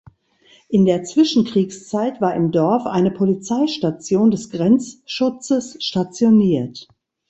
In der Zwischenkriegszeit war im Dorf eine Polizeistation des Grenzschutzes stationiert.